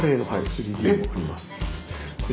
３Ｄもあります。